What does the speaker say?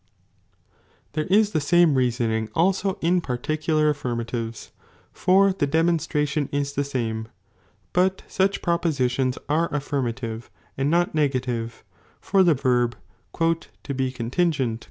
There is the same reasoning also in particular affirmatives, for the demonstration is the same, but such propositions are affirmative and not negative, for the verb "to be contingent